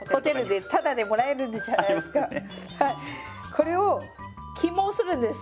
これを起毛するんです。